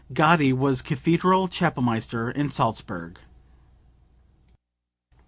Gatti was Cathedral Chapelmaster in Salzburg.)